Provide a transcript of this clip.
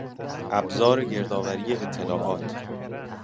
ابزار گردآوری اطلاعات.